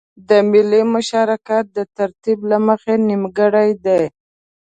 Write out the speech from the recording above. د ملي مشارکت د ترکيب له مخې نيمګړی دی.